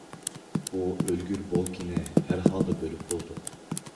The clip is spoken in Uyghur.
بۇ ئۆلگۈر بولكىنى ھەر ھالدا بۆلۈپ بولدۇق.